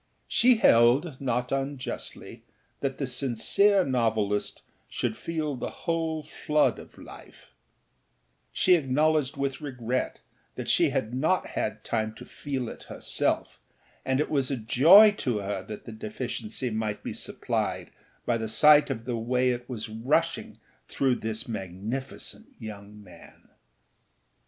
She held, not unjustly, that the sincere novelist should feel the whole flood of life; she acknowledged with regret that she had not had time to feel it herself, and it was a joy to her that the deficiency might be supplied by the sight of the way it was rushing through this magnificent young man.